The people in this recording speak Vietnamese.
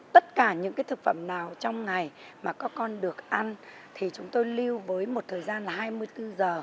tất cả những thực phẩm nào trong ngày mà các con được ăn thì chúng tôi lưu với một thời gian là hai mươi bốn giờ